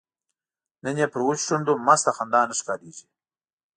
نن یې پر وچو شونډو مسته خندا نه ښکاریږي